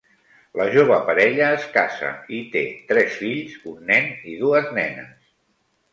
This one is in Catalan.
La jove parella es casa i té tres fills, un nen i dues nenes.